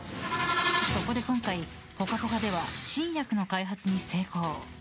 そこで今回「ぽかぽか」では新薬の開発に成功！